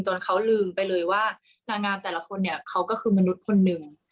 เขาลืมไปเลยว่านางงามแต่ละคนเนี่ยเขาก็คือมนุษย์คนหนึ่ง